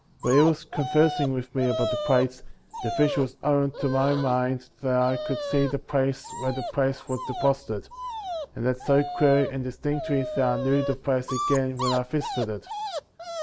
While he was conversing with me about the plates, the vision was opened to my mind that I could see the place where the plates were deposited, and that so clearly and distinctly that I knew the place again when I visited it.